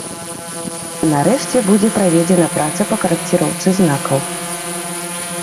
Нарэшце, будзе праведзена праца па карэкціроўцы знакаў.